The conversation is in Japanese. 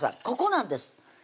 ここなんです！